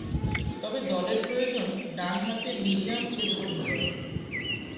তবে, দলের প্রয়োজন ডানহাতে মিডিয়াম পেস বোলিং করেন।